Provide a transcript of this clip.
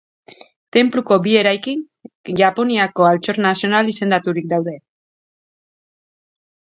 Tenpluko bi eraikin Japoniako altxor nazional izendaturik daude.